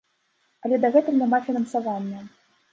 Але дагэтуль няма фінансавання.